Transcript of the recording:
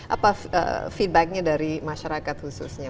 apa feedbacknya dari masyarakat khususnya